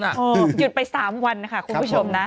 หยุดไป๓วันค่ะคุณผู้ชมนะ